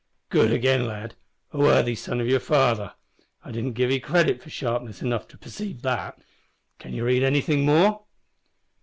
"Good again, lad. A worthy son of your father. I didn't give 'e credit for sharpness enough to perceive that. Can you read anything more?"